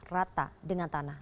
rata dengan tanah